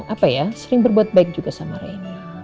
apa ya sering berbuat baik juga sama raini